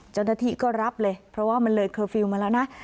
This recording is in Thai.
เจ้าหน้าที่ก็รับเลยเพราะว่ามันเลยเคอร์ฟิลล์มาแล้วนะ